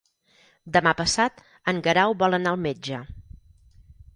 Demà passat en Guerau vol anar al metge.